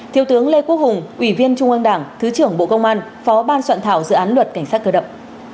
thiếu tướng lê quốc hùng ủy viên trung ương đảng thứ trưởng bộ công an phó ban soạn thảo dự án luật cảnh sát cơ động